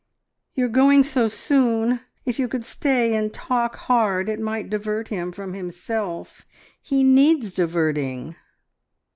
"You are going so soon? If you could stay and talk hard it might divert him from himself. He needs diverting!"